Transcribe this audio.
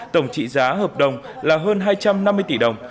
tổng trị giá hợp đồng là hơn hai trăm năm mươi tỷ đồng